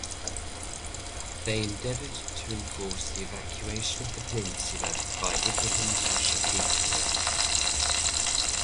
They endeavoured to enforce the evacuation of the peninsula by Ibrahim Pasha peacefully.